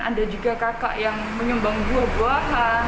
ada juga kakak yang menyumbang buah buahan